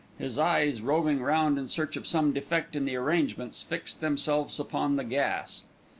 His eyes, roving round in search of some defect in the arrangements, fixed themselves upon the gas.